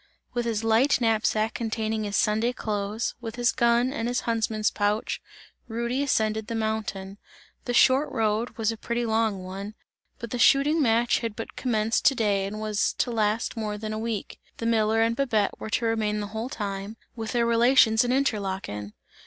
With his light knapsack containing his Sunday clothes, with his gun and his huntsman's pouch, Rudy ascended the mountain. The short road, was a pretty long one, but the shooting match had but commenced to day and was to last more than a week; the miller and Babette were to remain the whole time, with their relations in Interlaken.